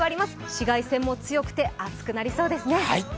紫外線も強くて暑くなりそうですね。